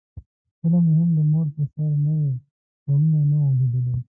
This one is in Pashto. کله مې هم د مور پر سر نوی پوړونی نه وو لیدلی.